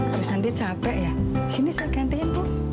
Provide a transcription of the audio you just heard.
abis nanti capek ya sini saya gantiin bu